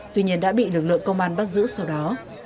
tuy nhiên đã bị lực lượng công an bắt giữ sau đó